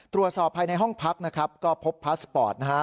ตรวจสอบภายในห้องพักก็พบพลาสปอร์ต